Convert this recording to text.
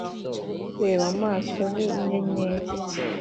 reba amaso ni inyenyeri